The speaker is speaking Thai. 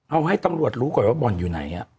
เอาให้ตำรวจรู้ก่อนว่าบ่อนอยู่ไหน